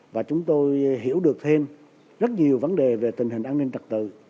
và chúng tôi hiểu được thêm rất nhiều vấn đề về tình hình an ninh trật tự